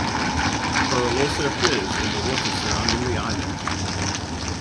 Coral also appears in the water surrounding the island.